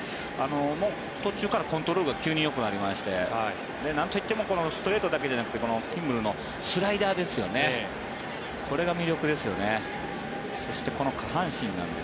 もう途中からコントロールが急によくなりましてなんといってもストレートだけじゃなくてキンブレルのスライダーこれが魅力ですよね。